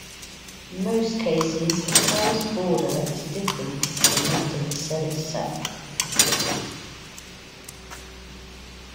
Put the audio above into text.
In most cases, a cell's border is different from that of the cell itself.